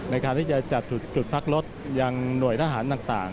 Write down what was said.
ในการที่จะจัดจุดพักรถยังหน่วยทหารต่าง